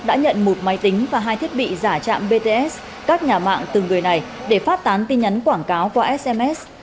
đã nhận một máy tính và hai thiết bị giả chạm bts các nhà mạng từng người này để phát tán tin nhắn quảng cáo qua sms